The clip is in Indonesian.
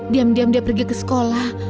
diam diam dia pergi ke sekolah